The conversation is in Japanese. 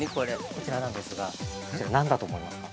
◆こちらなんですが、何だと思いますか。